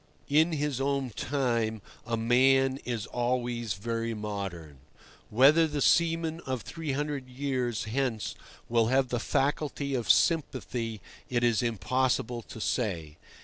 In his own time a man is always very modern. Whether the seamen of three hundred years hence will have the faculty of sympathy it is impossible to say.